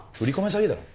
詐欺だろ。